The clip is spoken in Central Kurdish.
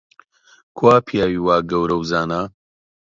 کوا پیاوی وا گەورە و زانا؟